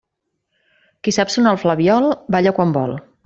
Qui sap sonar el flabiol, balla quan vol.